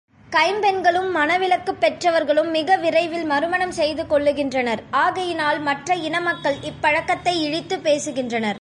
கைம்பெண்களும், மணவிலக்குப் பெற்றவர்களும் மிக விரைவில் மறுமணம் செய்து கொள்ளுகின்றனர், ஆகையினால் மற்ற இனமக்கள் இப்பழக்கத்தை இழித்துப் பேசுகின்றனர்.